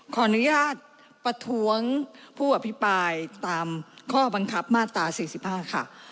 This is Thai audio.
ขออนุญาตประท้วงผู้อภิปรายตามข้อบังคับมาตรา๔๕ค่ะ